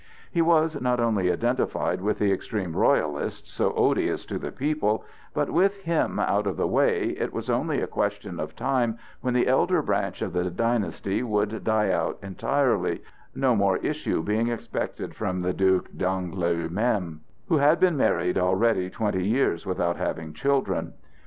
He was not only identified with the extreme Royalists, so odious to the people, but, with him out of the way, it was only a question of time when the elder branch of the dynasty would die out entirely, no more issue being expected from the Duc d'Angoulême, who had been married already twenty years without having children.